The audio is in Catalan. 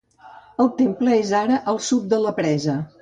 El temple és ara al sud de la presa.